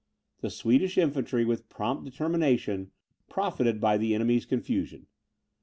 The Swedish infantry, with prompt determination, profited by the enemy's confusion.